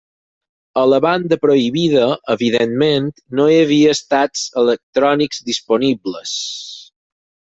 A la banda prohibida, evidentment, no hi ha estats electrònics disponibles.